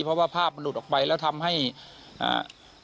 เพราะว่าภาพมันหลุดออกไปแล้วทำให้อ่า